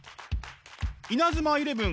「イナズマイレブン」